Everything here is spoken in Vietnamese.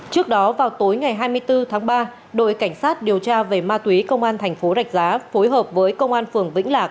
trước đó vào tối ngày hai mươi bốn tháng ba đội cảnh sát điều tra về ma túy công an thành phố rạch giá phối hợp với công an phường vĩnh lạc